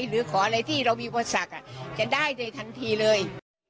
หรือขออะไรที่เรามีปัญหาศักดิ์จะได้ในทั้งทีเลย